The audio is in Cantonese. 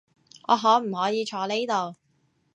我可唔可以坐呢度？